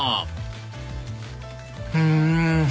「うん」